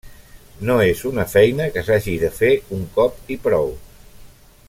No és una feina que s’hagi de fer un cop i prou.